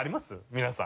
皆さん。